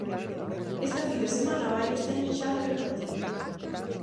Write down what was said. Esta fin de semana varios teñen xa dobre partido.